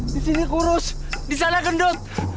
di sini kurus di sana gendut